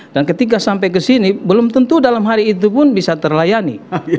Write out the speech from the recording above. dan ketika sampai kesini belum tentu dalam hari itu pun bisa terlayani